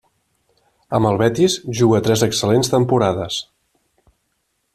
Amb el Betis juga tres excel·lents temporades.